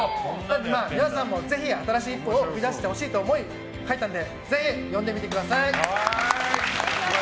皆さんもぜひ新しい一歩を踏み出してほしいと思い書いたのでぜひ読んでみてください。